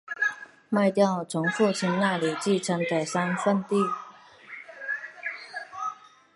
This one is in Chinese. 卖掉从父亲那里继承的三分地